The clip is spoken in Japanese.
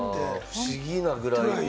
不思議なくらい。